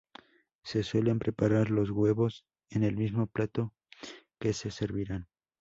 Se suelen preparar los huevos en el mismo plato que se servirán.